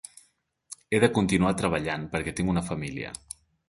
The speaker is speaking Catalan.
He de continuar treballant perquè tinc una família.